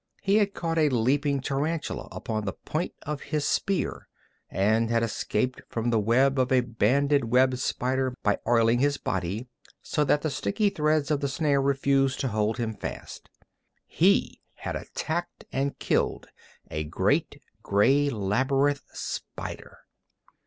He had caught a leaping tarantula upon the point of his spear, and had escaped from the web of a banded web spider by oiling his body so that the sticky threads of the snare refused to hold him fast. He had attacked and killed a great gray labyrinth spider.